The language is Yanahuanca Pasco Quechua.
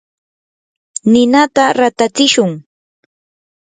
ninata ratatsishun.